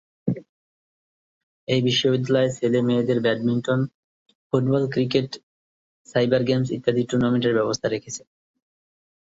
এই বিশ্ববিদ্যালয়ে ছেলে-মেয়েদের badminton, football, cricket, cyber games ইত্যাদি টুর্নামেন্টের ব্যবস্থা রেখেছে।